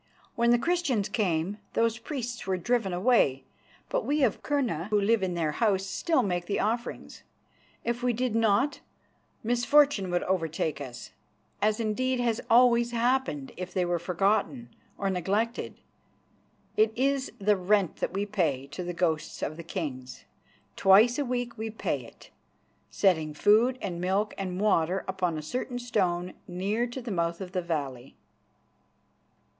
When the Christians came, those priests were driven away, but we of Kurna who live in their house still make the offerings. If we did not, misfortune would overtake us, as indeed has always happened if they were forgotten or neglected. It is the rent that we pay to the ghosts of the kings. Twice a week we pay it, setting food and milk and water upon a certain stone near to the mouth of the valley."